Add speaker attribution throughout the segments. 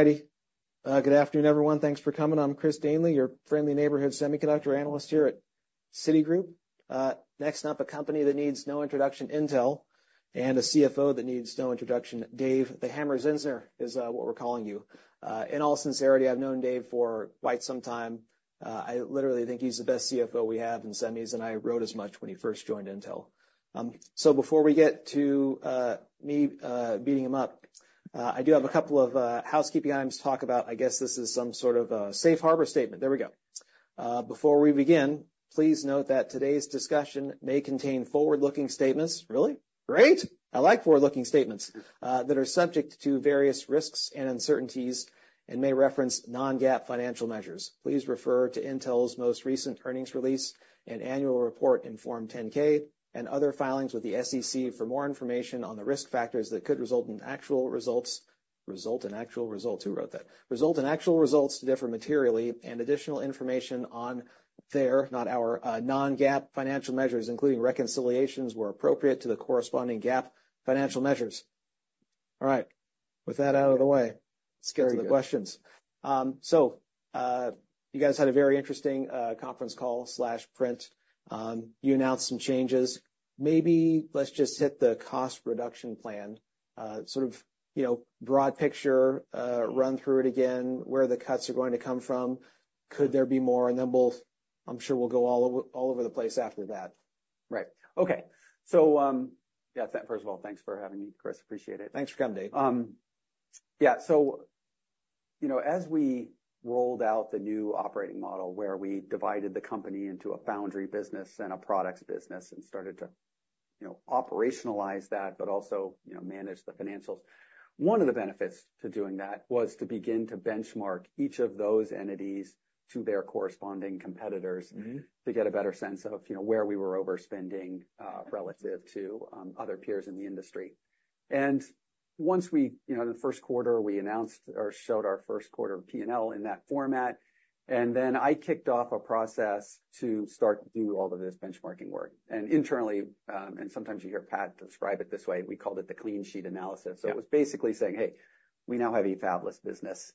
Speaker 1: All righty. Good afternoon, everyone. Thanks for coming. I'm Christopher Danely, your friendly neighborhood semiconductor analyst here at Citigroup. Next up, a company that needs no introduction, Intel, and a CFO that needs no introduction, Dave, "The Hammer" Zinsner, is what we're calling you. In all sincerity, I've known Dave for quite some time. I literally think he's the best CFO we have in semis, and I wrote as much when he first joined Intel. So before we get to me beating him up, I do have a couple of housekeeping items to talk about. I guess this is some sort of a safe harbor statement. There we go. Before we begin, please note that today's discussion may contain forward-looking statements-- Really? Great! I like forward-looking statements that are subject to various risks and uncertainties and may reference non-GAAP financial measures. Please refer to Intel's most recent earnings release and annual report in Form 10-K, and other filings with the SEC for more information on the risk factors that could result in actual results. Who wrote that? Result in actual results to differ materially and additional information on their, not our, non-GAAP financial measures, including reconciliations where appropriate, to the corresponding GAAP financial measures. All right. With that out of the way, let's get to the questions. So, you guys had a very interesting conference call/print. You announced some changes. Maybe let's just hit the cost reduction plan. Sort of, you know, broad picture, run through it again, where the cuts are going to come from, could there be more, and then we'll. I'm sure we'll go all over the place after that.
Speaker 2: Right. Okay. So, yeah, first of all, thanks for having me, Chris. Appreciate it.
Speaker 1: Thanks for coming, Dave.
Speaker 2: Yeah, so, you know, as we rolled out the new operating model, where we divided the company into a foundry business and a products business and started to, you know, operationalize that, but also, you know, manage the financials, one of the benefits to doing that was to begin to benchmark each of those entities to their corresponding competitors.
Speaker 1: Mm-hmm.
Speaker 2: to get a better sense of, you know, where we were overspending, relative to, other peers in the industry. And once we, you know, in the first quarter, we announced or showed our first quarter P&L in that format, and then I kicked off a process to start to do all of this benchmarking work. And internally, and sometimes you hear Pat describe it this way, we called it the Clean Sheet Analysis.
Speaker 1: Yeah.
Speaker 2: So it was basically saying, "Hey, we now have a fabless business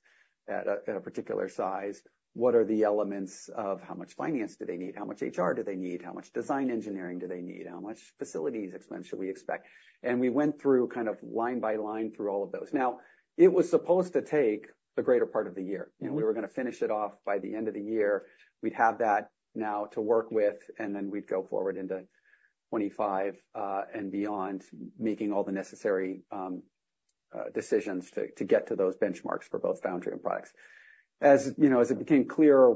Speaker 2: at a particular size. What are the elements of how much finance do they need? How much HR do they need? How much design engineering do they need? How much facilities expense should we expect?" And we went through, kind of, line by line through all of those. Now, it was supposed to take the greater part of the year.
Speaker 1: Mm-hmm.
Speaker 2: And we were gonna finish it off by the end of the year. We'd have that now to work with, and then we'd go forward into 2025 and beyond, making all the necessary decisions to get to those benchmarks for both foundry and products. As you know, as it became clear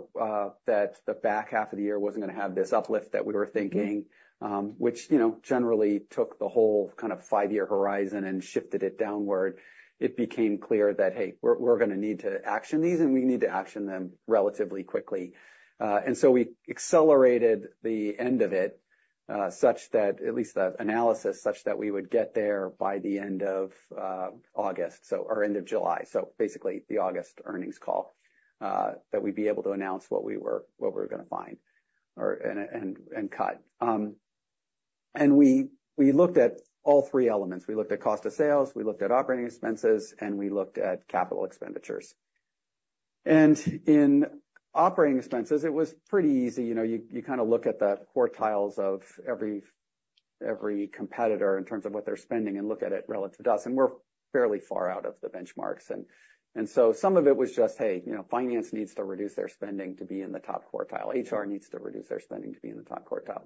Speaker 2: that the back half of the year wasn't gonna have this uplift that we were thinking.
Speaker 1: Mm-hmm.
Speaker 2: which, you know, generally took the whole kind of five-year horizon and shifted it downward. It became clear that, hey, we're gonna need to action these, and we need to action them relatively quickly. And so we accelerated the end of it, such that at least the analysis, we would get there by the end of August, so or end of July, so basically the August earnings call, that we'd be able to announce what we were gonna find or and cut. And we looked at all three elements. We looked at cost of sales, we looked at operating expenses, and we looked at capital expenditures, and in operating expenses, it was pretty easy. You know, you kind of look at the quartiles of every competitor in terms of what they're spending and look at it relative to us, and we're fairly far out of the benchmarks. And so some of it was just, hey, you know, finance needs to reduce their spending to be in the top quartile. HR needs to reduce their spending to be in the top quartile.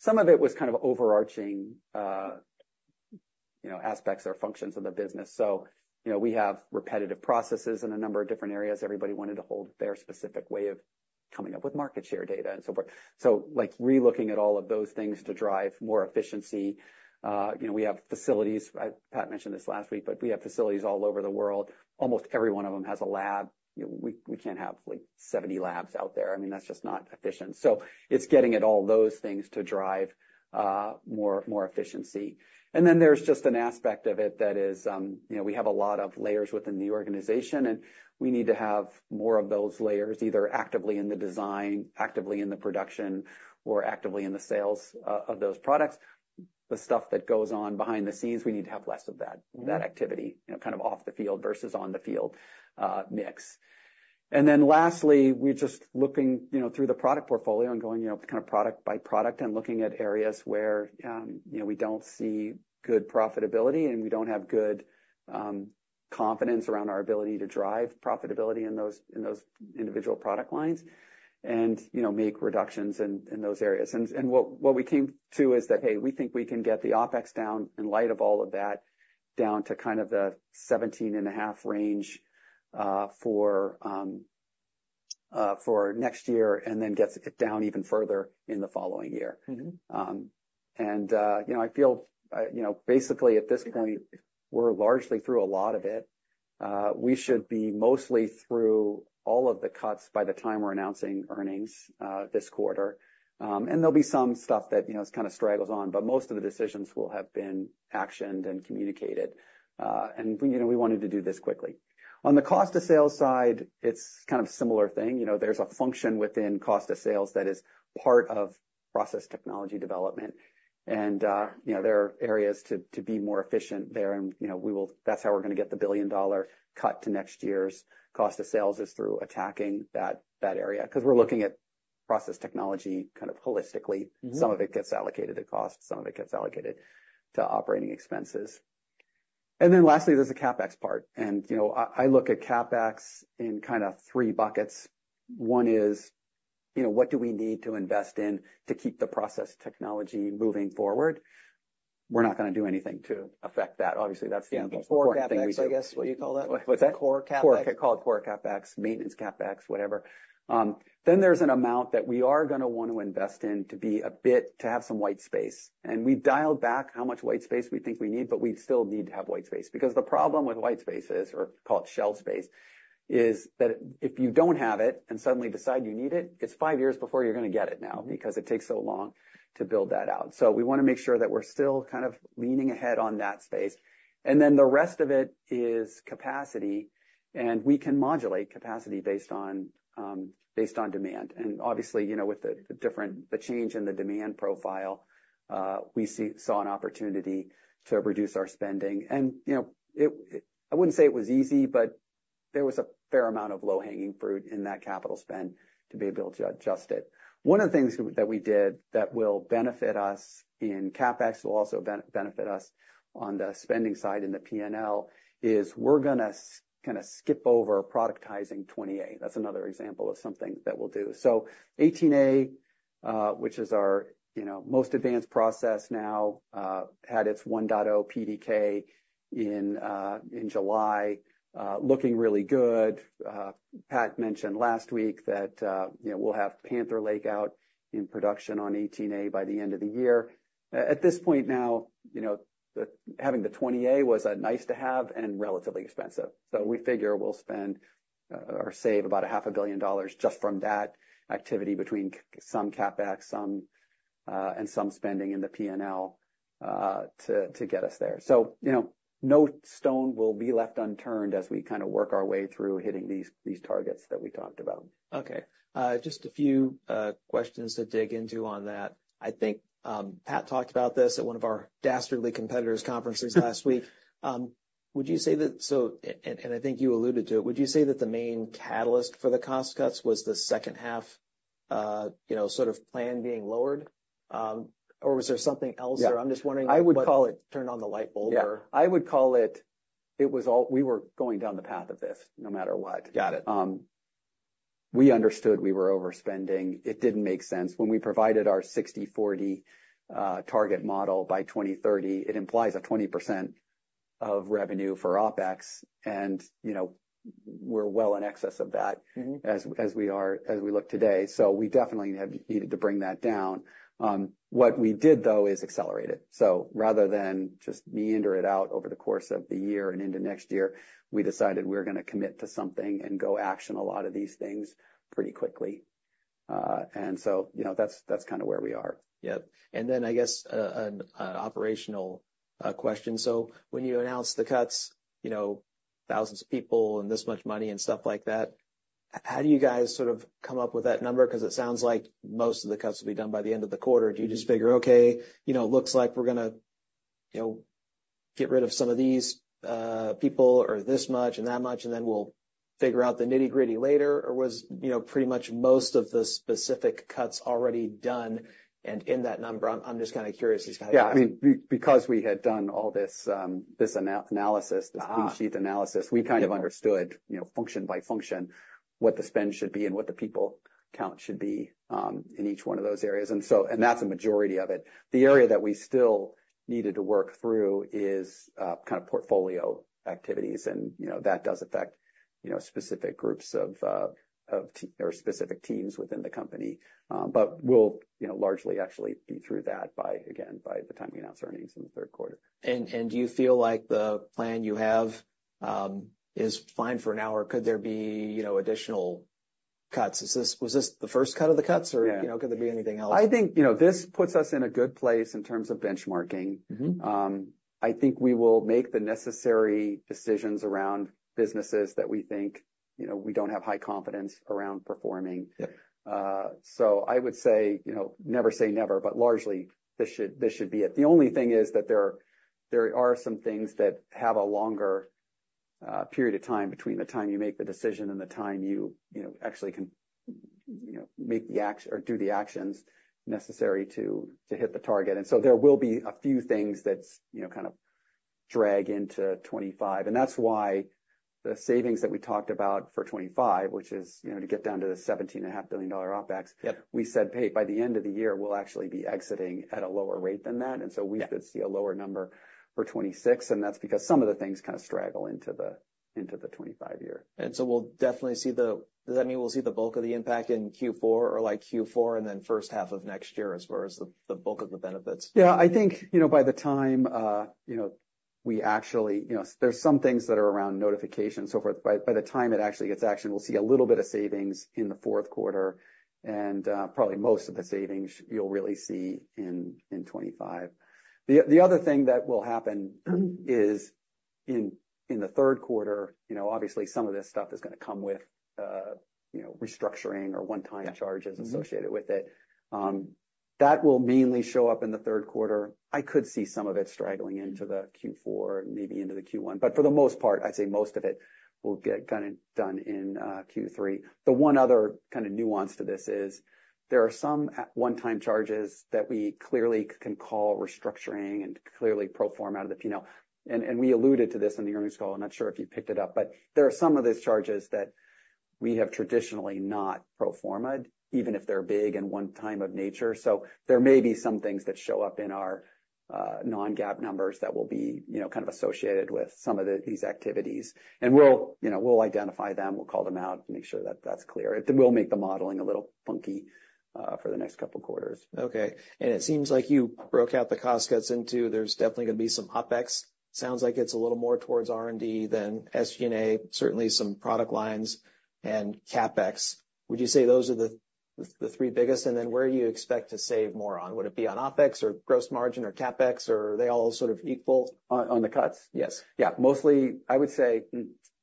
Speaker 2: Some of it was kind of overarching, you know, aspects or functions of the business, so, you know, we have repetitive processes in a number of different areas. Everybody wanted to hold their specific way of coming up with market share data and so forth. So, like, relooking at all of those things to drive more efficiency, you know, we have facilities. Pat mentioned this last week, but we have facilities all over the world. Almost every one of them has a lab. You know, we can't have, like, seventy labs out there. I mean, that's just not efficient. So it's getting at all those things to drive more efficiency. And then there's just an aspect of it that is, you know, we have a lot of layers within the organization, and we need to have more of those layers, either actively in the design, actively in the production, or actively in the sales of those products. The stuff that goes on behind the scenes, we need to have less of that-
Speaker 1: Mm-hmm.
Speaker 2: That activity. You know, kind of off the field versus on the field mix. And then lastly, we're just looking, you know, through the product portfolio and going, you know, kind of product by product and looking at areas where, you know, we don't see good profitability, and we don't have good confidence around our ability to drive profitability in those, in those individual product lines and, you know, make reductions in, in those areas. And what we came to is that, hey, we think we can get the OpEx down, in light of all of that, down to kind of the seventeen and a half range, for next year, and then get it down even further in the following year.
Speaker 1: Mm-hmm.
Speaker 2: You know, I feel, you know, basically, at this point, we're largely through a lot of it. We should be mostly through all of the cuts by the time we're announcing earnings this quarter. There'll be some stuff that, you know, kind of straggles on, but most of the decisions will have been actioned and communicated, and, you know, we wanted to do this quickly. On the cost of sales side, it's kind of a similar thing. You know, there's a function within cost of sales that is part of process technology development, and, you know, there are areas to be more efficient there, and, you know, we will. That's how we're gonna get the billion-dollar cut to next year's cost of sales is through attacking that area. 'Cause we're looking at process technology kind of holistically.
Speaker 1: Mm-hmm.
Speaker 2: Some of it gets allocated to cost, some of it gets allocated to operating expenses, and then lastly, there's a CapEx part, and, you know, I look at CapEx in kind of three buckets. One is, you know, what do we need to invest in to keep the process technology moving forward? We're not gonna do anything to affect that. Obviously, that's the most important thing we do.
Speaker 1: Yeah, the core CapEx, I guess, what you call that?
Speaker 2: What's that?
Speaker 1: Core CapEx.
Speaker 2: Call it core CapEx, maintenance CapEx, whatever. Then there's an amount that we are gonna want to invest in to be a bit, to have some white space. And we've dialed back how much white space we think we need, but we still need to have white space. Because the problem with white space is, or call it shell space, is that if you don't have it and suddenly decide you need it, it's five years before you're gonna get it now, because it takes so long to build that out. So we wanna make sure that we're still kind of leaning ahead on that space. And then the rest of it is capacity, and we can modulate capacity based on demand. And obviously, you know, with the change in the demand profile, we saw an opportunity to reduce our spending. You know, it. I wouldn't say it was easy, but there was a fair amount of low-hanging fruit in that capital spend to be able to adjust it. One of the things that we did that will benefit us in CapEx, will also benefit us on the spending side in the P&L, is we're gonna skip over productizing 20A. That's another example of something that we'll do. 18A, which is our, you know, most advanced process now, had its 1.0 PDK in July, looking really good. Pat mentioned last week that, you know, we'll have Panther Lake out in production on 18A by the end of the year. At this point now, you know, having the 20A was nice to have and relatively expensive. We figure we'll spend or save about $500 million just from that activity between some CapEx, some and some spending in the P&L to get us there. You know, no stone will be left unturned as we kind of work our way through hitting these targets that we talked about.
Speaker 1: Okay. Just a few questions to dig into on that. I think Pat talked about this at one of our dastardly competitors' conferences last week. Would you say that? So, and I think you alluded to it, would you say that the main catalyst for the cost cuts was the second half, you know, sort of plan being lowered? Or was there something else there?
Speaker 2: Yeah.
Speaker 1: I'm just wondering-
Speaker 2: I would call it-
Speaker 1: Turn on the light bulb or-
Speaker 2: Yeah, I would call it. It was all we were going down the path of this, no matter what.
Speaker 1: Got it.
Speaker 2: We understood we were overspending. It didn't make sense. When we provided our 60/40 target model by 2030, it implies a 20% of revenue for OpEx, and, you know, we're well in excess of that-
Speaker 1: Mm-hmm...
Speaker 2: as we are, as we look today. So we definitely have needed to bring that down. What we did, though, is accelerate it. So rather than just meander it out over the course of the year and into next year, we decided we're gonna commit to something and go action a lot of these things pretty quickly. And so, you know, that's kind of where we are.
Speaker 1: Yep. And then I guess, an operational question. So when you announce the cuts, you know, thousands of people and this much money and stuff like that, how do you guys sort of come up with that number? Because it sounds like most of the cuts will be done by the end of the quarter. Do you just figure, okay, you know, it looks like we're gonna, you know, get rid of some of these, people or this much and that much, and then we'll figure out the nitty-gritty later? Or was, you know, pretty much most of the specific cuts already done and in that number? I'm just kind of curious as to how-
Speaker 2: Yeah, I mean, because we had done all this, this analysis-
Speaker 1: Ah!...
Speaker 2: this Clean Sheet Analysis, we kind of understood, you know, function by function, what the spend should be and what the people count should be, in each one of those areas. And so, and that's a majority of it. The area that we still needed to work through is, kind of portfolio activities. And, you know, that does affect, you know, specific groups of, or specific teams within the company. But we'll, you know, largely actually be through that by, again, by the time we announce our earnings in the third quarter.
Speaker 1: Do you feel like the plan you have is fine for now, or could there be, you know, additional cuts? Was this the first cut of the cuts or-
Speaker 2: Yeah...
Speaker 1: you know, could there be anything else?
Speaker 2: I think, you know, this puts us in a good place in terms of benchmarking.
Speaker 1: Mm-hmm.
Speaker 2: I think we will make the necessary decisions around businesses that we think, you know, we don't have high confidence around performing.
Speaker 1: Yep.
Speaker 2: So I would say, you know, never say never, but largely this should, this should be it. The only thing is that there, there are some things that have a longer period of time between the time you make the decision and the time you, you know, actually can, you know, make or do the actions necessary to, to hit the target. And so there will be a few things that's, you know, kind of drag into 2025. And that's why the savings that we talked about for 2025, which is, you know, to get down to the $17.5 billion OpEx-
Speaker 1: Yep...
Speaker 2: we said, "Hey, by the end of the year, we'll actually be exiting at a lower rate than that.
Speaker 1: Yep.
Speaker 2: And so we could see a lower number for 2026, and that's because some of the things kind of straddle into the 2025 year.
Speaker 1: We'll definitely see. Does that mean we'll see the bulk of the impact in Q4 or, like, Q4 and then first half of next year as far as the bulk of the benefits?
Speaker 2: Yeah, I think, you know, by the time, you know, we actually. You know, there's some things that are around notification and so forth, by the time it actually gets action, we'll see a little bit of savings in the fourth quarter, and probably most of the savings you'll really see in 2025. The other thing that will happen is in the third quarter, you know, obviously, some of this stuff is gonna come with, you know, restructuring or one-time charges-
Speaker 1: Mm-hmm...
Speaker 2: associated with it. That will mainly show up in the third quarter. I could see some of it straggling into the Q4, maybe into the Q1, but for the most part, I'd say most of it will get kind of done in Q3. The one other kind of nuance to this is there are some one-time charges that we clearly can call restructuring and clearly pro forma out of the P&L. And we alluded to this in the earnings call. I'm not sure if you picked it up, but there are some of these charges that we have traditionally not pro forma'd, even if they're big and one-time in nature. So there may be some things that show up in our non-GAAP numbers that will be, you know, kind of associated with some of these activities, and we'll, you know, we'll identify them, we'll call them out to make sure that that's clear. It will make the modeling a little funky for the next couple quarters.
Speaker 1: Okay. And it seems like you broke out the cost cuts into, there's definitely gonna be some OpEx. Sounds like it's a little more towards R&D than SG&A, certainly some product lines and CapEx. Would you say those are the, the three biggest? And then where do you expect to save more on? Would it be on OpEx or gross margin or CapEx, or are they all sort of equal?
Speaker 2: On the cuts?
Speaker 1: Yes.
Speaker 2: Yeah, mostly, I would say,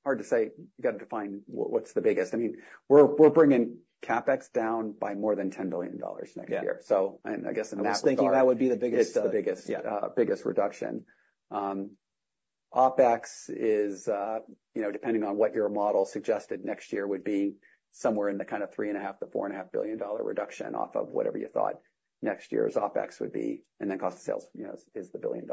Speaker 2: hard to say. You gotta define what, what's the biggest. I mean, we're bringing CapEx down by more than $10 billion next year.
Speaker 1: Yeah.
Speaker 2: So, and I guess in that regard-
Speaker 1: I was thinking that would be the biggest,
Speaker 2: It's the biggest-
Speaker 1: Yeah...
Speaker 2: biggest reduction. OpEx is, you know, depending on what your model suggested next year, would be somewhere in the kind of $3.5-$4.5 billion reduction off of whatever you thought next year's OpEx would be, and then cost of sales, you know, is the $1 billion.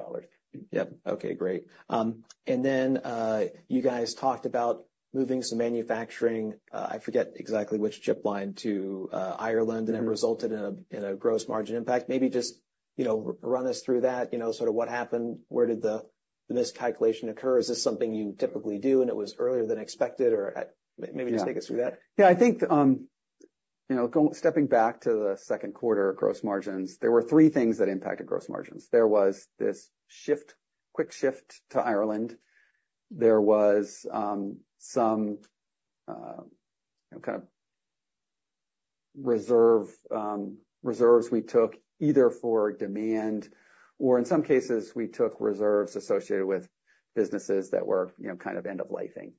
Speaker 1: Yep. Okay, great. And then, you guys talked about moving some manufacturing, I forget exactly which chip line to Ireland, and it resulted in a gross margin impact. Maybe just, you know, run us through that, you know, sort of what happened, where did the miscalculation occur? Is this something you typically do, and it was earlier than expected, or
Speaker 2: Yeah...
Speaker 1: maybe just take us through that.
Speaker 2: Yeah, I think, you know, stepping back to the second quarter gross margins, there were three things that impacted gross margins. There was this shift, quick shift to Ireland. There was some kind of reserves we took either for demand or in some cases, we took reserves associated with businesses that were, you know, kind of end of lifing.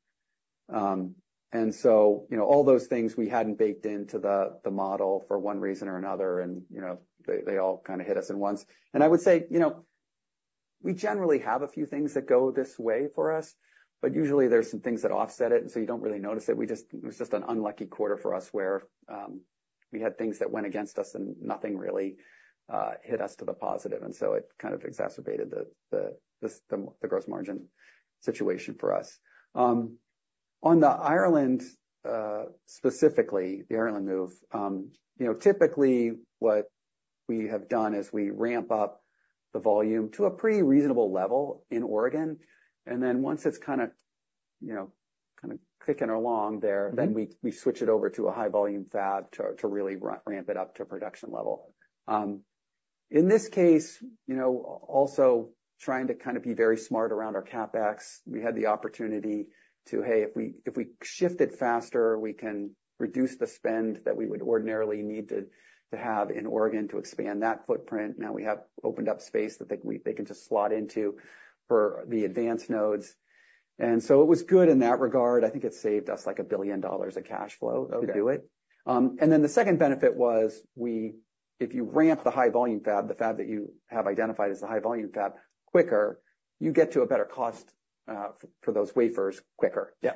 Speaker 2: And so, you know, all those things we hadn't baked into the model for one reason or another, and, you know, they all kind of hit us at once. And I would say, you know, we generally have a few things that go this way for us, but usually there's some things that offset it, and so you don't really notice it. It was just an unlucky quarter for us, where we had things that went against us, and nothing really hit us to the positive, and so it kind of exacerbated the gross margin situation for us. On the Ireland specifically, the Ireland move, you know, typically what we have done is we ramp up the volume to a pretty reasonable level in Oregon, and then once it's kind of you know kind of clicking along there, then we switch it over to a high volume fab to really ramp it up to a production level. In this case, you know, also trying to kind of be very smart around our CapEx. We had the opportunity to, if we shift it faster, we can reduce the spend that we would ordinarily need to have in Oregon to expand that footprint. Now, we have opened up space that they can just slot into for the advanced nodes. And so it was good in that regard. I think it saved us, like, $1 billion of cash flow-
Speaker 1: Okay...
Speaker 2: to do it. And then the second benefit was if you ramp the high volume fab, the fab that you have identified as the high volume fab quicker, you get to a better cost, for those wafers quicker.
Speaker 1: Yeah.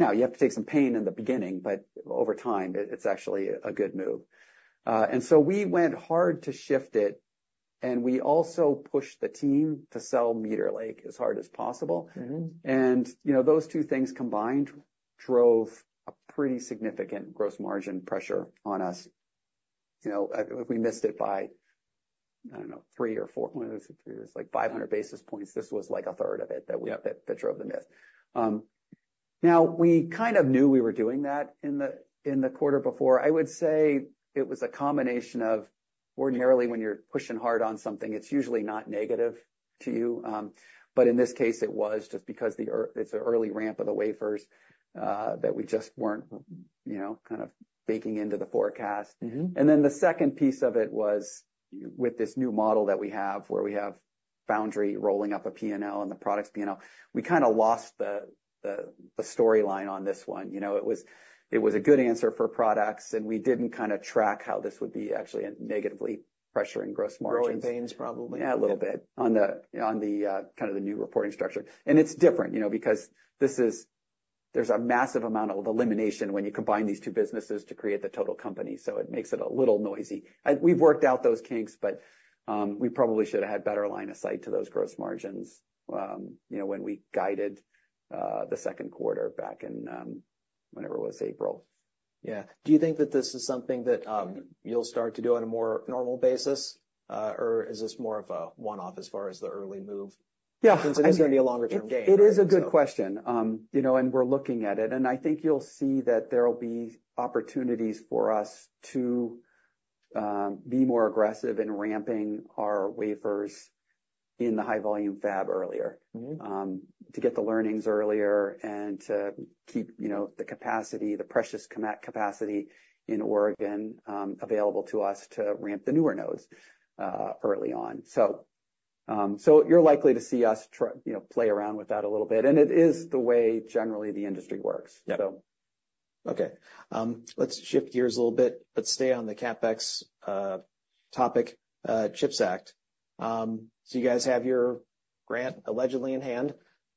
Speaker 2: Now, you have to take some pain in the beginning, but over time, it's actually a good move, and so we went hard to shift it, and we also pushed the team to sell Meteor Lake as hard as possible.
Speaker 1: Mm-hmm.
Speaker 2: You know, those two things combined drove a pretty significant gross margin pressure on us. You know, we missed it by, I don't know, three or four. It was like 500 basis points. This was like a third of it, that we-
Speaker 1: Yep
Speaker 2: ...that, that drove the miss. Now, we kind of knew we were doing that in the, in the quarter before. I would say it was a combination of ordinarily, when you're pushing hard on something, it's usually not negative to you, but in this case, it was just because it's an early ramp of the wafers that we just weren't, you know, kind of baking into the forecast.
Speaker 1: Mm-hmm.
Speaker 2: And then the second piece of it was, with this new model that we have, where we have foundry rolling up a P&L and the products P&L, we kinda lost the storyline on this one. You know, it was a good answer for products, and we didn't kind of track how this would be actually negatively pressuring gross margins.
Speaker 1: Growing pains, probably?
Speaker 2: Yeah, a little bit-
Speaker 1: Yeah...
Speaker 2: on the kind of the new reporting structure. It's different, you know, because there's a massive amount of elimination when you combine these two businesses to create the total company, so it makes it a little noisy. We've worked out those kinks, but we probably should have had better line of sight to those gross margins, you know, when we guided the second quarter back in whenever it was, April.
Speaker 1: Yeah. Do you think that this is something that you'll start to do on a more normal basis, or is this more of a one-off as far as the early move?
Speaker 2: Yeah, I-
Speaker 1: 'Cause it is gonna be a longer-term gain.
Speaker 2: It is a good question. You know, and we're looking at it, and I think you'll see that there will be opportunities for us to be more aggressive in ramping our wafers in the high volume fab earlier.
Speaker 1: Mm-hmm.
Speaker 2: To get the learnings earlier and to keep, you know, the capacity, the precious compute capacity in Oregon available to us to ramp the newer nodes early on. You're likely to see us try, you know, play around with that a little bit, and it is the way generally the industry works.
Speaker 1: Okay, let's shift gears a little bit, but stay on the CapEx topic, CHIPS Act. So you guys have your grant allegedly in hand.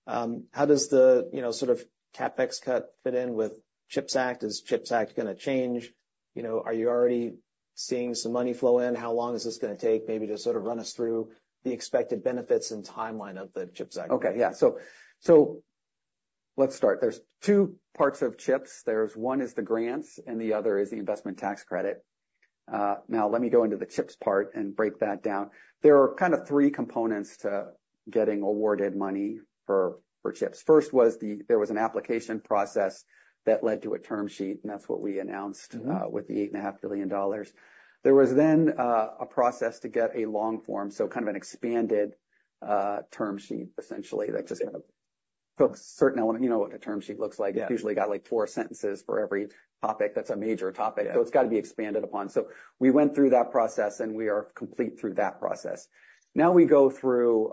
Speaker 1: How does the, you know, sort of CapEx cut fit in with CHIPS Act? Is CHIPS Act gonna change? You know, are you already seeing some money flow in? How long is this gonna take? Maybe just sort of run us through the expected benefits and timeline of the CHIPS Act.
Speaker 2: Okay. Yeah, so, so let's start. There's two parts of CHIPS. There's one is the grants, and the other is the Investment Tax Credit. Now let me go into the CHIPS part and break that down. There are kind of three components to getting awarded money for CHIPS. First, there was an application process that led to a term sheet, and that's what we announced-
Speaker 1: Mm-hmm.
Speaker 2: $8.5 billion. There was then a process to get a long form, so kind of an expanded term sheet, essentially, that just kind of fleshes out certain elements. You know what a term sheet looks like.
Speaker 1: Yeah.
Speaker 2: It's usually got, like, four sentences for every topic that's a major topic.
Speaker 1: Yeah.
Speaker 2: So it's got to be expanded upon. So we went through that process, and we are complete through that process. Now we go through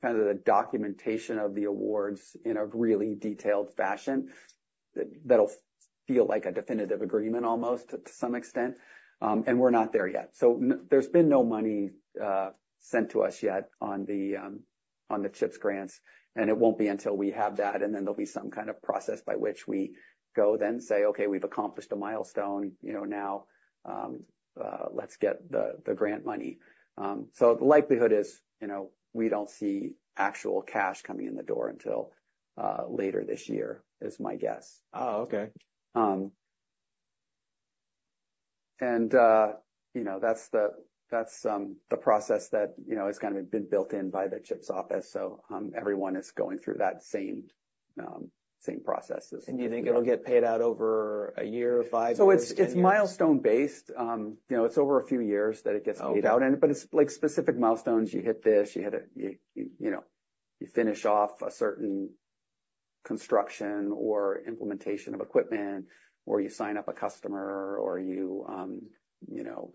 Speaker 2: kind of the documentation of the awards in a really detailed fashion, that'll feel like a definitive agreement almost to some extent. And we're not there yet. So there's been no money sent to us yet on the CHIPS grants, and it won't be until we have that, and then there'll be some kind of process by which we go then say, "Okay, we've accomplished a milestone, you know, now, let's get the grant money." So the likelihood is, you know, we don't see actual cash coming in the door until later this year, is my guess.
Speaker 1: Oh, okay.
Speaker 2: And, you know, that's the process that, you know, has kind of been built in by the CHIPS office. So, everyone is going through that same process as-
Speaker 1: Do you think it'll get paid out over a year, five years, 10 years?
Speaker 2: So it's milestone based. You know, it's over a few years that it gets paid out.
Speaker 1: Okay.
Speaker 2: But it's, like, specific milestones. You hit this, you know, you finish off a certain construction or implementation of equipment, or you sign up a customer, or you know,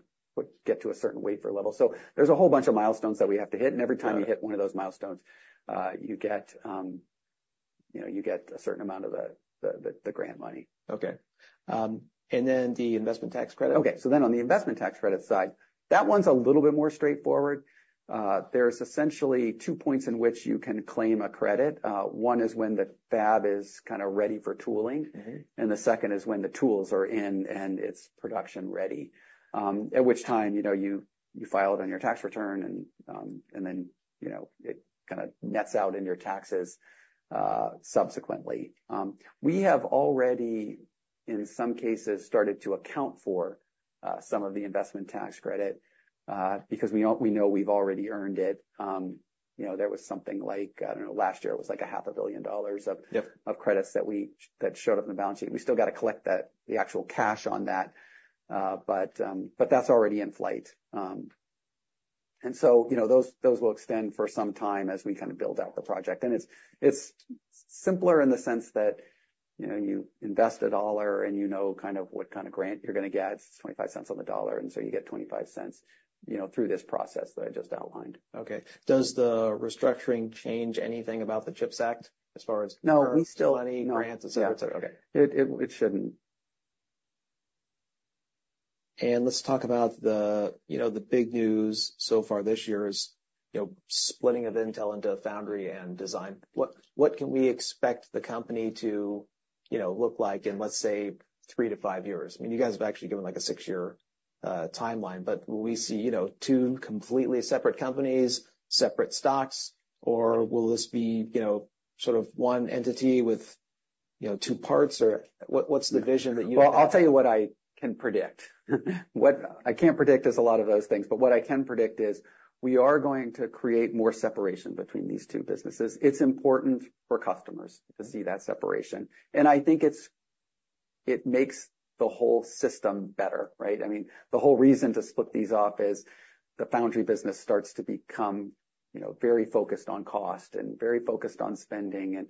Speaker 2: get to a certain wafer level. So there's a whole bunch of milestones that we have to hit, and every time-
Speaker 1: Yeah...
Speaker 2: you hit one of those milestones, you get, you know, you get a certain amount of the grant money.
Speaker 1: Okay, and then the investment tax credit?
Speaker 2: Okay. So then on the Investment Tax Credit side, that one's a little bit more straightforward. There's essentially two points in which you can claim a credit. One is when the fab is kind of ready for tooling.
Speaker 1: Mm-hmm.
Speaker 2: And the second is when the tools are in and it's production ready, at which time, you know, you file it on your tax return and, and then, you know, it kind of nets out in your taxes, subsequently. We have already, in some cases, started to account for some of the Investment Tax Credit, because we know we've already earned it. You know, there was something like, I don't know, last year it was like $500 million of-
Speaker 1: Yep...
Speaker 2: of credits that showed up in the balance sheet. We still got to collect that, the actual cash on that, but that's already in flight. And so, you know, those will extend for some time as we kind of build out the project. And it's simpler in the sense that, you know, you invest a dollar and you know, kind of what kind of grant you're gonna get. It's 25 cents on the dollar, and so you get 25 cents, you know, through this process that I just outlined.
Speaker 1: Okay. Does the restructuring change anything about the CHIPS Act as far as-
Speaker 2: No.
Speaker 1: Any grants and so forth?
Speaker 2: Yeah.
Speaker 1: Okay.
Speaker 2: It shouldn't.
Speaker 1: And let's talk about the, you know, big news so far this year is, you know, splitting of Intel into foundry and design. What can we expect the company to, you know, look like in, let's say, three to five years? I mean, you guys have actually given, like, a six-year timeline, but will we see, you know, two completely separate companies, separate stocks, or will this be, you know, sort of one entity with, you know, two parts? Or what, what's the vision that you-
Speaker 2: I'll tell you what I can predict. What I can't predict is a lot of those things, but what I can predict is we are going to create more separation between these two businesses. It's important for customers to see that separation, and I think it makes the whole system better, right? I mean, the whole reason to split these up is the foundry business starts to become, you know, very focused on cost and very focused on spending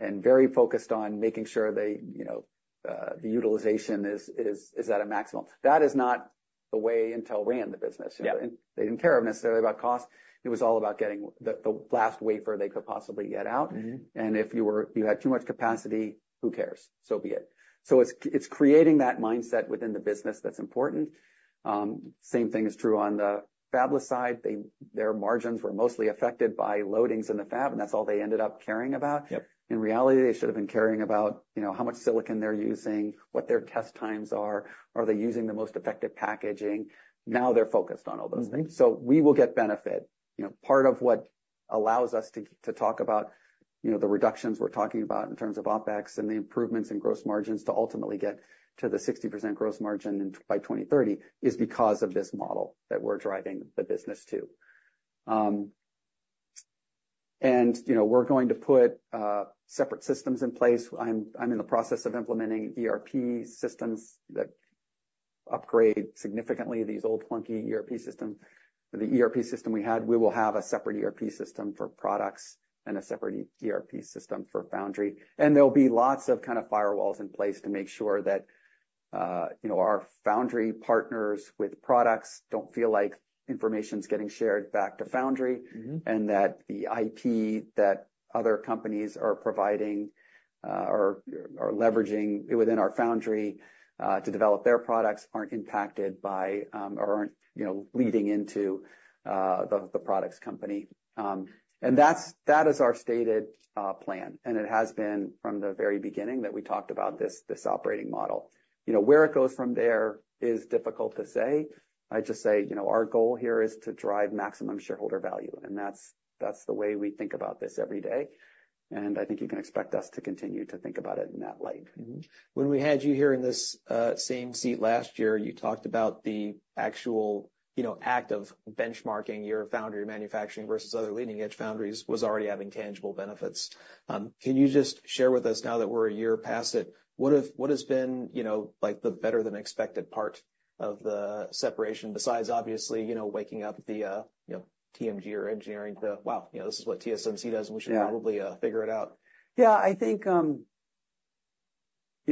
Speaker 2: and very focused on making sure they, you know, the utilization is at a maximum. That is not the way Intel ran the business.
Speaker 1: Yeah.
Speaker 2: They didn't care necessarily about cost. It was all about getting the last wafer they could possibly get out.
Speaker 1: Mm-hmm.
Speaker 2: If you were, you had too much capacity, who cares? So be it. So it's creating that mindset within the business that's important. Same thing is true on the fabless side. Their margins were mostly affected by loadings in the fab, and that's all they ended up caring about.
Speaker 1: Yep.
Speaker 2: In reality, they should have been caring about, you know, how much silicon they're using, what their test times are, are they using the most effective packaging? Now they're focused on all those things.
Speaker 1: Mm-hmm.
Speaker 2: So we will get benefit. You know, part of what allows us to talk about, you know, the reductions we're talking about in terms of OpEx and the improvements in gross margins to ultimately get to the 60% gross margin by 2030, is because of this model that we're driving the business to, and you know, we're going to put separate systems in place. I'm in the process of implementing ERP systems that upgrade significantly these old, clunky ERP system, the ERP system we had. We will have a separate ERP system for products and a separate ERP system for foundry, and there'll be lots of kind of firewalls in place to make sure you know, our foundry partners with products don't feel like information's getting shared back to foundry.
Speaker 1: Mm-hmm.
Speaker 2: That the IP that other companies are providing are leveraging within our foundry to develop their products aren't impacted by, or aren't, you know, leading into the products company. That's, that is our stated plan, and it has been from the very beginning that we talked about this operating model. You know, where it goes from there is difficult to say. I just say, you know, our goal here is to drive maximum shareholder value, and that's, that's the way we think about this every day, and I think you can expect us to continue to think about it in that light.
Speaker 1: Mm-hmm. When we had you here in this same seat last year, you talked about the actual, you know, act of benchmarking your foundry manufacturing versus other leading edge foundries, was already having tangible benefits. Can you just share with us, now that we're a year past it, what has been, you know, like, the better than expected part of the separation, besides obviously, you know, waking up the, you know, TMG or engineering to, "Wow, you know, this is what TSMC does-
Speaker 2: Yeah.
Speaker 1: -and we should probably figure it out?
Speaker 2: Yeah, I think, you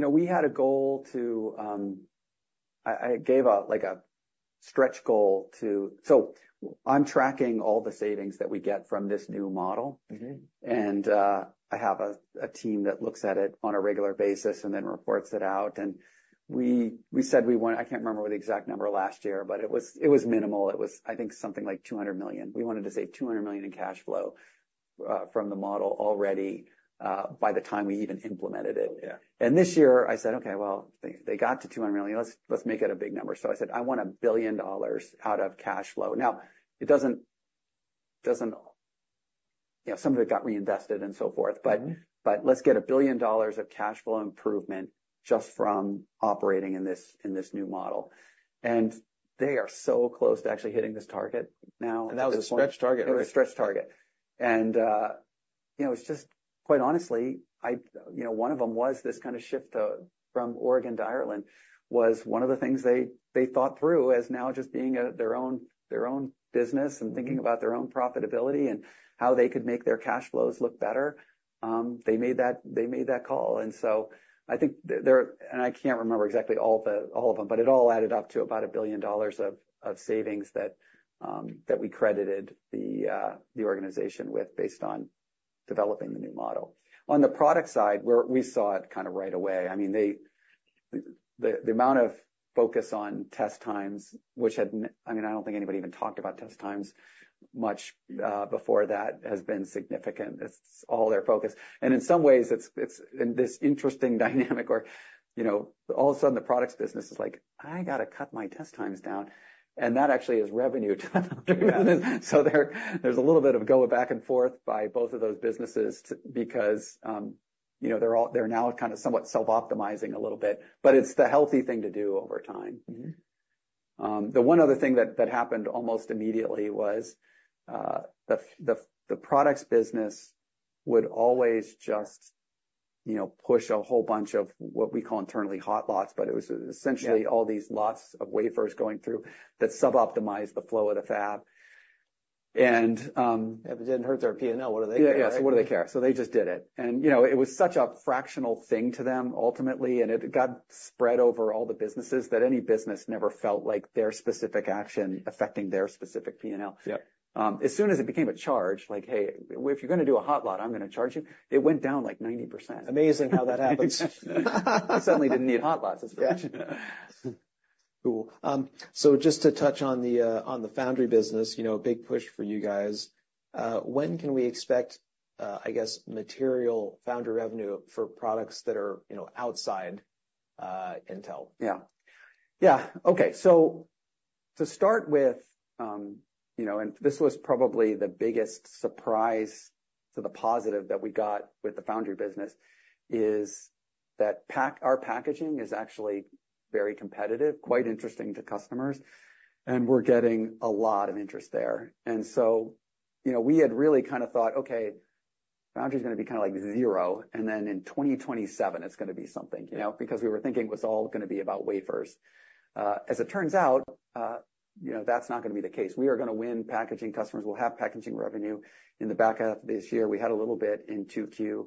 Speaker 2: know, we had a goal to... I gave a, like, a stretch goal to... So I'm tracking all the savings that we get from this new model.
Speaker 1: Mm-hmm.
Speaker 2: I have a team that looks at it on a regular basis and then reports it out. We said we want. I can't remember what the exact number last year, but it was minimal. It was, I think, something like $200 million. We wanted to save $200 million in cash flow from the model already by the time we even implemented it.
Speaker 1: Yeah.
Speaker 2: This year I said, "Okay, well, they got to $200 million. Let's make it a big number." So I said, "I want $1 billion out of cash flow." Now, it doesn't... You know, some of it got reinvested and so forth.
Speaker 1: Mm-hmm.
Speaker 2: But let's get $1 billion of cash flow improvement just from operating in this new model, and they are so close to actually hitting this target now.
Speaker 1: That was a stretch target, right?
Speaker 2: It was a stretch target. And, you know, it's just, quite honestly, I, you know, one of them was this kind of shift from Oregon to Ireland, was one of the things they thought through as now just being their own business and thinking about their own profitability and how they could make their cash flows look better. They made that call, and so I think there and I can't remember exactly all of them, but it all added up to about $1 billion of savings that we credited the organization with, based on developing the new model. On the product side, we saw it kind of right away. I mean, the amount of focus on test times, which I mean, I don't think anybody even talked about test times much before that, has been significant. It's all their focus. And in some ways, it's in this interesting dynamic where, you know, all of a sudden, the products business is like, "I gotta cut my test times down," and that actually is revenue to them. So there's a little bit of a going back and forth by both of those businesses because, you know, they're now kind of somewhat self-optimizing a little bit, but it's the healthy thing to do over time.
Speaker 1: Mm-hmm.
Speaker 2: The one other thing that happened almost immediately was the products business would always just, you know, push a whole bunch of what we call internally, Hot Lots, but it was essentially-
Speaker 1: Yeah...
Speaker 2: all these lots of wafers going through that suboptimize the flow of the fab. And,
Speaker 1: If it didn't hurt their P&L, what do they care?
Speaker 2: Yeah. Yes, what do they care? So they just did it. And, you know, it was such a fractional thing to them ultimately, and it got spread over all the businesses, that any business never felt like their specific action affecting their specific P&L.
Speaker 1: Yep.
Speaker 2: As soon as it became a charge, like, "Hey, if you're gonna do a hot lot, I'm gonna charge you," it went down, like, 90%.
Speaker 1: Amazing how that happens.
Speaker 2: Suddenly didn't need hot lots as much.
Speaker 1: Yeah. Cool. So just to touch on the foundry business, you know, a big push for you guys. When can we expect, I guess, material foundry revenue for products that are, you know, outside Intel?
Speaker 2: Yeah. Yeah, okay. So to start with, you know, and this was probably the biggest surprise to the positive that we got with the foundry business, is that our packaging is actually very competitive, quite interesting to customers, and we're getting a lot of interest there. And so, you know, we had really kind of thought, okay, foundry's gonna be kind of like zero, and then in 2027, it's gonna be something, you know? Because we were thinking it was all gonna be about wafers. As it turns out, you know, that's not gonna be the case. We are gonna win packaging. Customers will have packaging revenue in the back half of this year. We had a little bit in 2Q.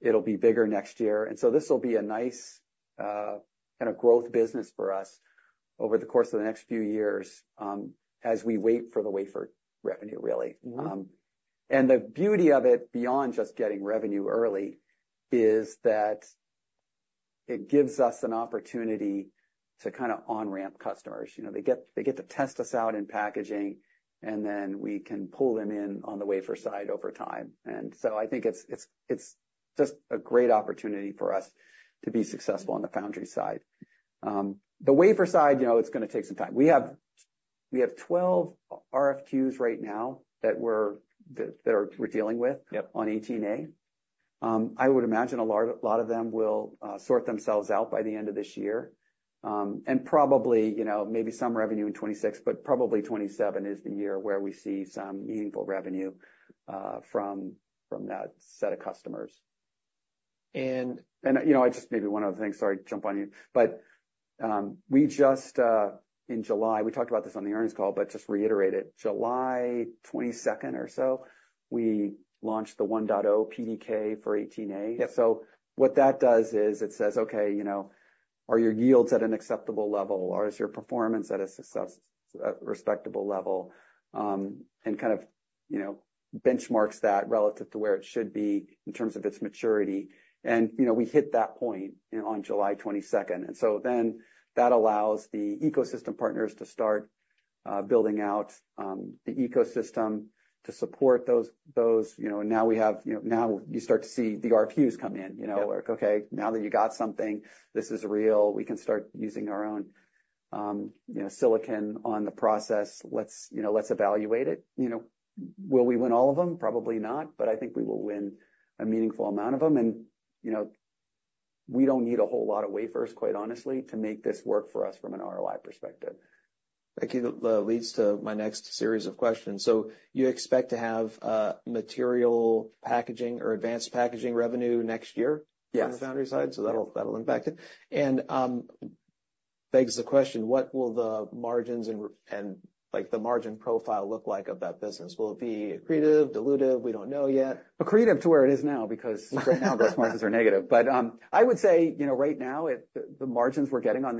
Speaker 2: It'll be bigger next year. And so this will be a nice, kind of growth business for us over the course of the next few years, as we wait for the wafer revenue, really.
Speaker 1: Mm-hmm.
Speaker 2: And the beauty of it, beyond just getting revenue early, is that it gives us an opportunity to kind of on-ramp customers. You know, they get to test us out in packaging, and then we can pull them in on the wafer side over time. And so I think it's just a great opportunity for us to be successful on the foundry side. The wafer side, you know, it's gonna take some time. We have 12 RFQs right now that we're dealing with-
Speaker 1: Yep...
Speaker 2: on 18A. I would imagine a lot of them will sort themselves out by the end of this year, and probably, you know, maybe some revenue in 2026, but probably 2027 is the year where we see some meaningful revenue from that set of customers.
Speaker 1: And-
Speaker 2: You know, just maybe one other thing, sorry to jump on you, but we just, in July, we talked about this on the earnings call, but just to reiterate it, July twenty-second or so, we launched the 1.0 PDK for 18A.
Speaker 1: Yep.
Speaker 2: So what that does is it says, okay, you know, are your yields at an acceptable level, or is your performance at a success, respectable level? And kind of, you know, benchmarks that relative to where it should be in terms of its maturity. And, you know, we hit that point on July twenty-second, and so then that allows the ecosystem partners to start building out the ecosystem to support those, you know. And now we have, you know, now you start to see the RFQs come in, you know.
Speaker 1: Yep.
Speaker 2: Like, okay, now that you got something, this is real, we can start using our own, you know, silicon on the process. Let's, you know, let's evaluate it. You know, will we win all of them? Probably not, but I think we will win a meaningful amount of them. And, you know, we don't need a whole lot of wafers, quite honestly, to make this work for us from an ROI perspective.
Speaker 1: That kind of leads to my next series of questions. So you expect to have material packaging or advanced packaging revenue next year?
Speaker 2: Yes.
Speaker 1: on the foundry side?
Speaker 2: Yep.
Speaker 1: That'll impact it. Begs the question, what will the margins and like, the margin profile look like of that business? Will it be accretive, dilutive? We don't know yet.
Speaker 2: Accretive to where it is now, because right now, gross margins are negative. But, I would say, you know, right now the margins we're getting on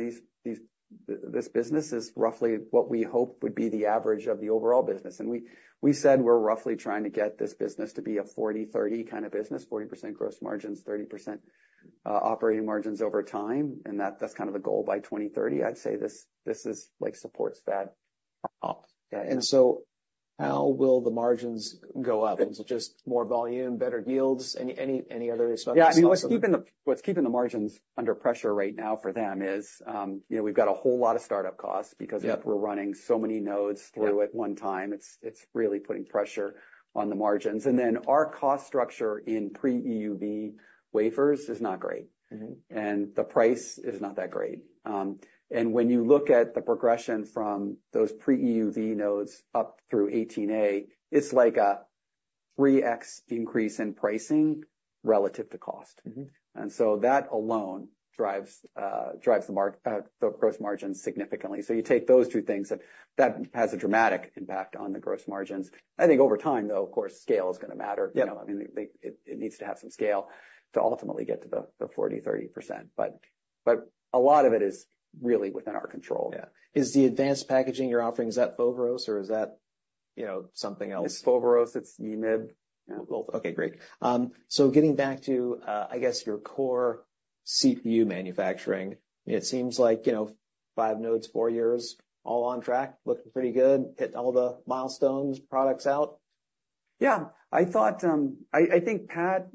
Speaker 2: this business is roughly what we hope would be the average of the overall business. And we said we're roughly trying to get this business to be a 40%/30% kind of business, 40% gross margins, 30% operating margins over time, and that's kind of the goal by 2030. I'd say this is like, supports that up.
Speaker 1: Yeah. And so how will the margins go up? Just more volume, better yields? Any, any, any other aspects?
Speaker 2: Yeah. I mean, what's keeping the margins under pressure right now for them is, you know, we've got a whole lot of startup costs-
Speaker 1: Yep...
Speaker 2: because we're running so many nodes through-
Speaker 1: Yep
Speaker 2: At one time. It's, it's really putting pressure on the margins, and then our cost structure in pre-EUV wafers is not great.
Speaker 1: Mm-hmm.
Speaker 2: The price is not that great. When you look at the progression from those pre-EUV nodes up through 18A, it's like a 3X increase in pricing relative to cost.
Speaker 1: Mm-hmm.
Speaker 2: And so that alone drives the gross margins significantly. So you take those two things, that has a dramatic impact on the gross margins. I think over time, though, of course, scale is gonna matter.
Speaker 1: Yep.
Speaker 2: You know, I mean, it needs to have some scale to ultimately get to the 40%,30%. But a lot of it is really within our control.
Speaker 1: Yeah. Is the advanced packaging you're offering, is that Foveros, or is that, you know, something else?
Speaker 2: It's Foveros, it's EMIB. Yeah, both.
Speaker 1: Okay, great. So getting back to, I guess your core CPU manufacturing, it seems like, you know, five nodes, four years, all on track, looking pretty good, hitting all the milestones, products out?
Speaker 2: Yeah. I thought, I think Pat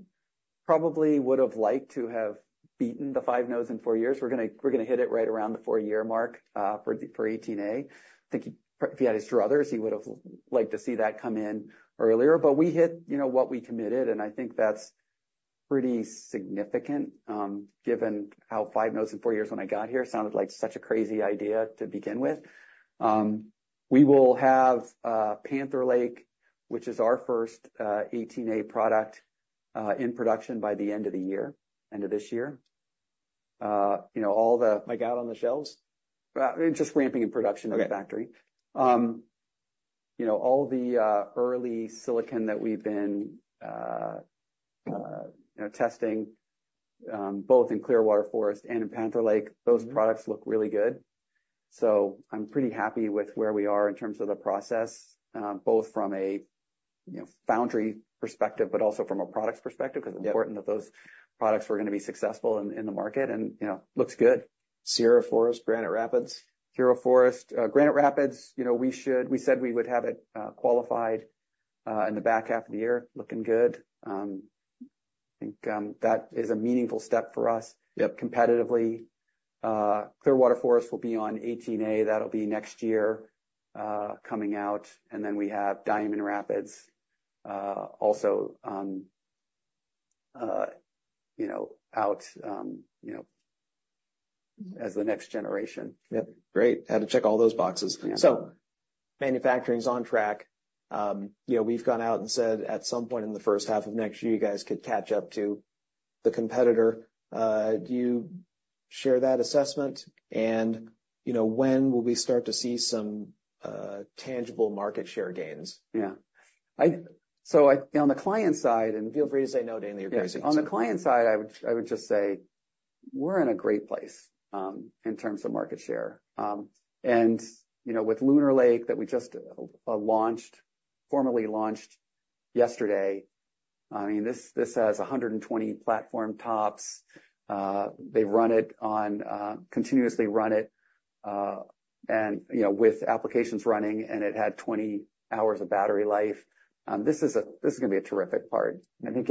Speaker 2: probably would've liked to have beaten the five nodes in four years. We're gonna hit it right around the four-year mark for 18A. I think if he had his druthers, he would've liked to see that come in earlier. But we hit, you know, what we committed, and I think that's pretty significant, given how five nodes in four years when I got here sounded like such a crazy idea to begin with. We will have Panther Lake, which is our first 18A product, in production by the end of the year, end of this year. You know, all the-
Speaker 1: Like, out on the shelves?
Speaker 2: Just ramping in production-
Speaker 1: Okay...
Speaker 2: of the factory. You know, all the early silicon that we've been you know, testing both in Clearwater Forest and in Panther Lake, those products look really good. So I'm pretty happy with where we are in terms of the process both from a you know, foundry perspective, but also from a products perspective-
Speaker 1: Yep...
Speaker 2: because it's important that those products were gonna be successful in the market and, you know. Looks good.
Speaker 1: Sierra Forest, Granite Rapids.
Speaker 2: Sierra Forest. Granite Rapids, you know, we said we would have it qualified in the back half of the year. Looking good. I think that is a meaningful step for us-
Speaker 1: Yep...
Speaker 2: competitively. Clearwater Forest will be on 18A. That'll be next year, coming out, and then we have Diamond Rapids, also, you know, out, you know, as the next generation.
Speaker 1: Yep. Great. Had to check all those boxes.
Speaker 2: Yeah.
Speaker 1: So manufacturing's on track. You know, we've gone out and said at some point in the first half of next year, you guys could catch up to the competitor. Do you share that assessment? And, you know, when will we start to see some tangible market share gains?
Speaker 2: Yeah. So I, on the client side, and-
Speaker 1: Feel free to say no, Dan, you're good.
Speaker 2: On the client side, I would just say we're in a great place in terms of market share. And, you know, with Lunar Lake that we just launched, formally launched yesterday, I mean, this has 120 platform TOPS. They run it continuously, and, you know, with applications running, and it had 20 hours of battery life. This is gonna be a terrific part, and I think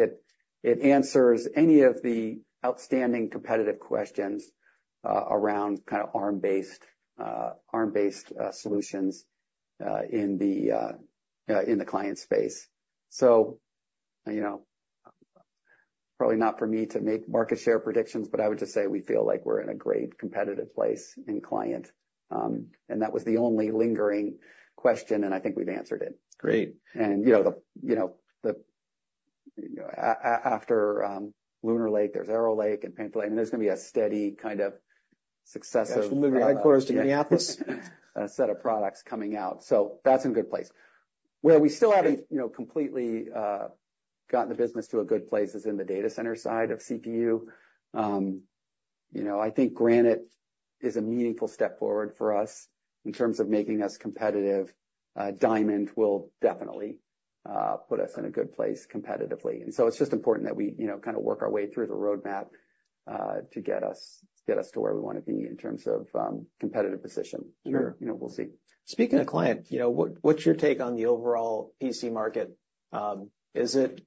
Speaker 2: it answers any of the outstanding competitive questions around kind of Arm-based solutions in the client space. So, you know, probably not for me to make market share predictions, but I would just say we feel like we're in a great competitive place in client. And that was the only lingering question, and I think we've answered it.
Speaker 1: Great.
Speaker 2: You know, after Lunar Lake, there's Arrow Lake and Panther Lake, and there's gonna be a steady kind of successive-
Speaker 1: Headquarters to Minneapolis.
Speaker 2: A set of products coming out, so that's in good place. Where we still haven't, you know, completely, gotten the business to a good place is in the data center side of CPU. You know, I think Granite is a meaningful step forward for us in terms of making us competitive. Diamond will definitely put us in a good place competitively. And so it's just important that we, you know, kind of work our way through the roadmap to get us to where we wanna be in terms of competitive position.
Speaker 1: Sure.
Speaker 2: You know, we'll see.
Speaker 1: Speaking of client, you know, what, what's your take on the overall PC market? Is it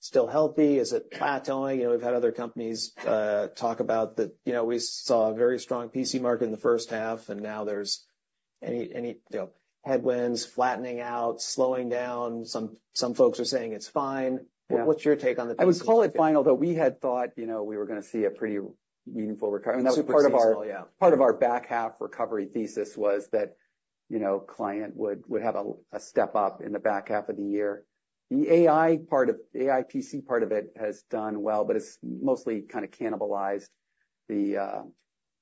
Speaker 1: still healthy? Is it plateauing? You know, we've had other companies talk about that... You know, we saw a very strong PC market in the first half, and now there's any, you know, headwinds, flattening out, slowing down. Some folks are saying it's fine.
Speaker 2: Yeah.
Speaker 1: What, what's your take on the PC?
Speaker 2: I would call it fine, although we had thought, you know, we were gonna see a pretty meaningful recovery.
Speaker 1: Super seasonal, yeah.
Speaker 2: Part of our, part of our back half recovery thesis was that, you know, client would, would have a, a step up in the back half of the year. The AI PC part of it has done well, but it's mostly kind of cannibalized the,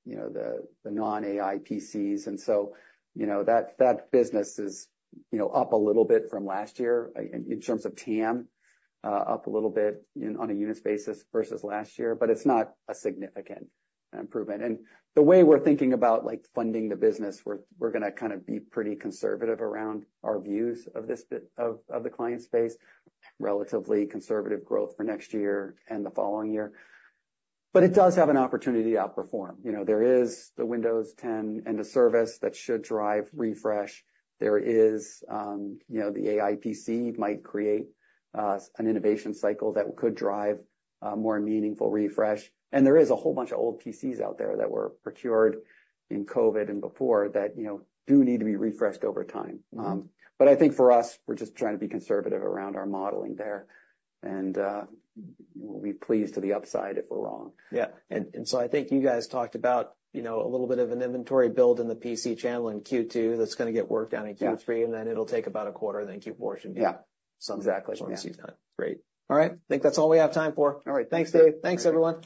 Speaker 2: you know, the, the non-AI PCs. And so, you know, that, that business is, you know, up a little bit from last year in, in terms of TAM. Up a little bit in, on a units basis versus last year, but it's not a significant improvement. And the way we're thinking about, like, funding the business, we're, we're gonna kind of be pretty conservative around our views of this bit, of, of the client space. Relatively conservative growth for next year and the following year. But it does have an opportunity to outperform. You know, there is the Windows 10 end of service that should drive refresh. There is, you know, the AI PC might create an innovation cycle that could drive more meaningful refresh. And there is a whole bunch of old PCs out there that were procured in COVID and before that, you know, do need to be refreshed over time. But I think for us, we're just trying to be conservative around our modeling there, and we'll be pleased to the upside if we're wrong.
Speaker 1: Yeah. And so I think you guys talked about, you know, a little bit of an inventory build in the PC channel in Q2, that's gonna get worked down in Q3.
Speaker 2: Yeah
Speaker 1: and then it'll take about a quarter, then Q4 should be
Speaker 2: Yeah.
Speaker 1: So-
Speaker 2: Exactly.
Speaker 1: Once you've done. Great. All right, I think that's all we have time for.
Speaker 2: All right.
Speaker 1: Thanks, David. Thanks, everyone.